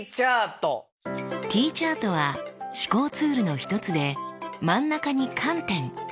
Ｔチャートは思考ツールの一つで真ん中に「観点」。